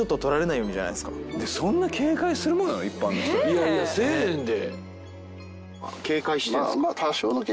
いやいやせえへんで。